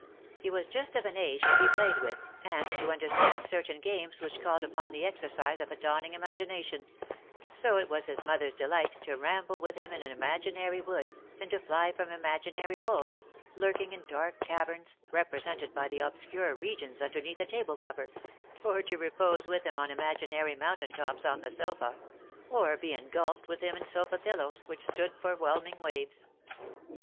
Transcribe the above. He was just of an age to be played with, and to understand certain games which called upon the exercise of a dawning imagi nation ; so it was his mother's delight to ramble with him in an imaginary wood, and to fly from imaginary wolves, lurking in dark caverns, represented by the obscure regions underneath a table cover — or to repose with him on imaginary mountain tops on the sofa — or be engulfed with him in sofa pillows, which stood for whelming waves.